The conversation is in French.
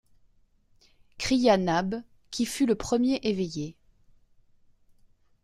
cria Nab, qui fut le premier éveillé.